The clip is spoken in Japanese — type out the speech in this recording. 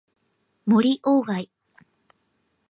森鴎外